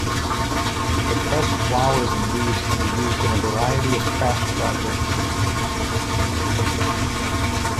The pressed flowers and leaves can be used in a variety of craft projects.